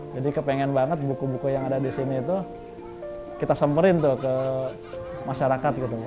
jadi kepengen banget buku buku yang ada di sini itu kita semerin tuh ke masyarakat gitu